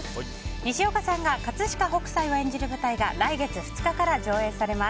西岡さんが葛飾北斎を演じる舞台が来月２日から上演されます。